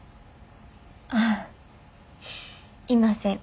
ああいません。